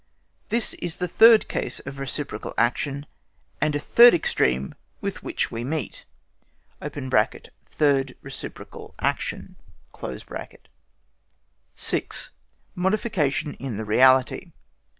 This is the third case of reciprocal action, and a third extreme with which we meet (third reciprocal action). 6. MODIFICATION IN THE REALITY.